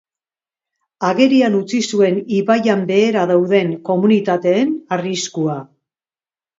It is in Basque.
Agerian utzi zuen ibaian behera dauden komunitateen arriskua.